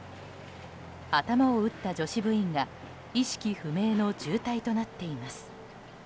頭を打った女子部員が意識不明の重体となっています。